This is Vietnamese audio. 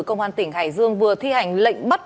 công an tỉnh hải dương vừa thi hành lệnh bắt